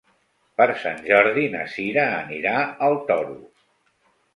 Per Sant Jordi na Cira anirà al Toro.